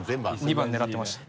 ２番狙ってました。